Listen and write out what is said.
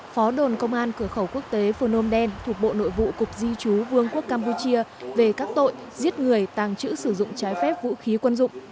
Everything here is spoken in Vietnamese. phó đồn công an cửa khẩu quốc tế phôm đen thuộc bộ nội vụ cục di chú vương quốc campuchia về các tội giết người tàng trữ sử dụng trái phép vũ khí quân dụng